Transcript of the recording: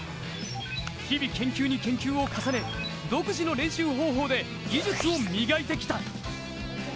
日々研究に研究を重ね、独自の練習方法で技術を磨いてきた。